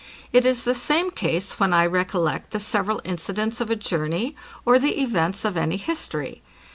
It is the same case when I recollect the several incidents of a journey, or the events of any history.